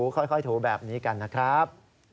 ค่อยถูแบบนี้กันนะครับ